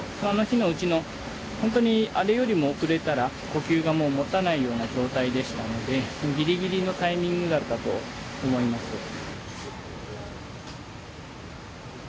あの日のうちのほんとにあれよりも遅れたら呼吸がもうもたないような状態でしたのでギリギリのタイミングだったと思います。